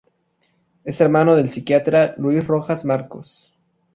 Es hermano del psiquiatra Luis Rojas-Marcos.